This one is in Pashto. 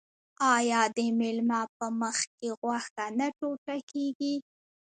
آیا د میلمه په مخکې غوښه نه ټوټه کیږي؟